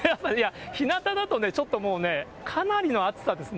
ひなただとね、ちょっともうね、かなりの暑さです。